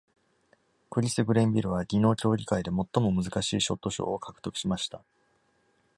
クリス・グレンビルは、技能競技会で「最も難しいショット賞」を獲得しました。